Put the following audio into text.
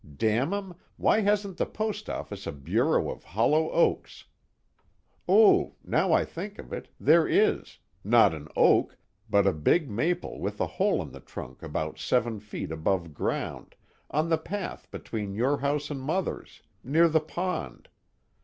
Damn 'em, why hasn't the Postoffice a Bureau of Hollow Oaks? Ooh now I think of it, there is not an oak, but a big maple with a hole in the trunk about seven feet above ground, on the path between your house and Mother's, near the pond.